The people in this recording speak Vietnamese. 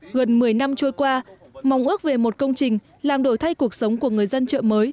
gần một mươi năm trôi qua mong ước về một công trình làm đổi thay cuộc sống của người dân chợ mới